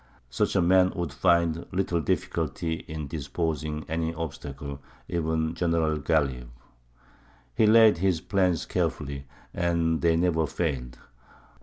Such a man would find little difficulty in disposing of any obstacle even General Ghālib. He laid his plans carefully, and they never failed.